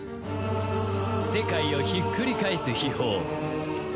世界をひっくり返す秘宝